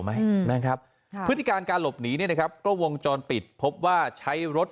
ไหมนะครับค่ะพฤติการการหลบหนีเนี่ยนะครับก็วงจรปิดพบว่าใช้รถ